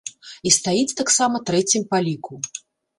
І стаіць таксама трэцім па ліку.